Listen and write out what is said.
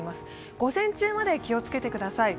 午前中まで気をつけてください。